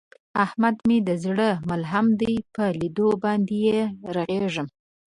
احمد مې د زړه ملحم دی، په لیدو باندې یې رغېږم.